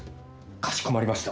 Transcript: かしこまりました。